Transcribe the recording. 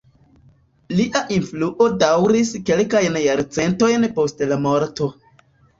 Lia influo daŭris kelkajn jarcentojn post la morto.